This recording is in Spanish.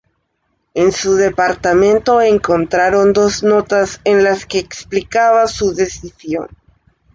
En su departamento encontraron dos notas en las que explicaba su decisión.